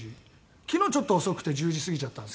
昨日ちょっと遅くて１０時過ぎちゃったんですけどね。